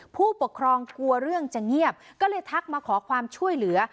ผู้ปกครองกลัวเรื่องจะเงียบก็เลยทักมาขอความช่วยเหลือ